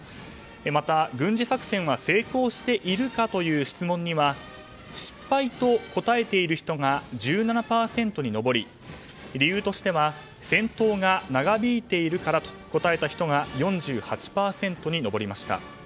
また、軍事作戦は成功しているかという質問には失敗と答えている人が１７％に上り理由としては戦闘が長引いているからと答えた人が４８％に上りました。